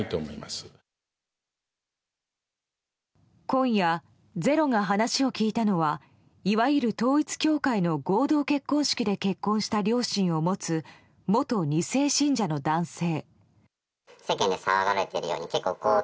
今夜、「ｚｅｒｏ」が話を聞いたのはいわゆる統一教会の合同結婚式で結婚した両親を持つ元２世信者の男性。